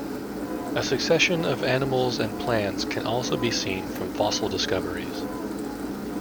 A succession of animals and plants can also be seen from fossil discoveries.